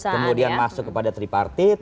kemudian masuk kepada tripartit